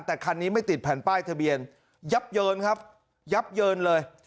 แต่คันนี้ไม่ติดแผ่นป้ายทะเบียนยับเยินครับยับเยินเลย